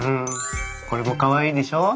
これもかわいいでしょ？